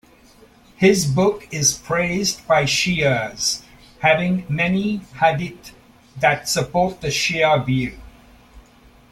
His book is praised by Shi'as having many hadith that support the Shi'a view.